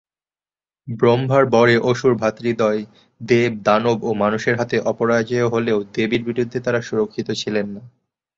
ব্রহ্মার বরে অসুর ভ্রাতৃদ্বয় দেব, দানব ও মানুষের হাতে অপরাজেয় হলেও, দেবীর বিরুদ্ধে তারা সুরক্ষিত ছিলেন না।